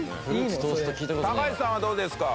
高橋さんはどうですか？